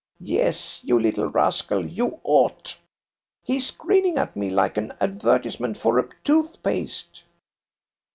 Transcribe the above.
Yes, you little rascal, you ought! He's grinning at me like an advertisement for a tooth paste.